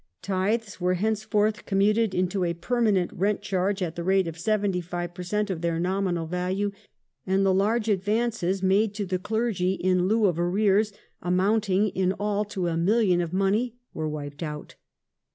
Tithes were henceforth commuted into a permanent rent charge at the rate of 75 per cent, of their nominal value, and the large advances made to the clergy in lieu of arrears — amounting in all to a million of money — were wiped out.